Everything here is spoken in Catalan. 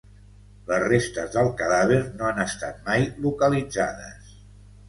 Les restes del cadàver no han estat mai localitzades.